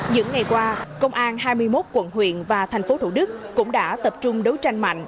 những ngày qua công an hai mươi một quận huyện và tp hcm cũng đã tập trung đấu tranh mạnh